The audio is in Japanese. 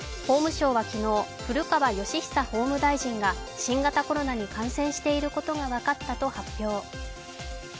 法務省は昨日、古川禎久法務大臣が新型コロナに感染していることが分かったと発表。